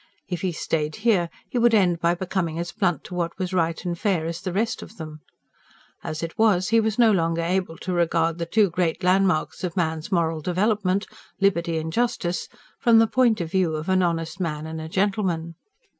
If he stayed here, he would end by becoming as blunt to what was right and fair as the rest of them. As it was, he was no longer able to regard the two great landmarks of man's moral development liberty and justice from the point of view of an honest man and a gentleman.